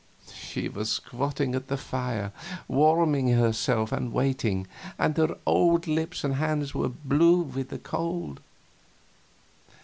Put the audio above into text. She was squatting at the fire, warming herself and waiting; and her old lips and hands were blue with the cold.